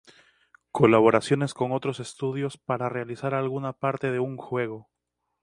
Colaboraciones con otros estudios para realizar alguna parte de un juego.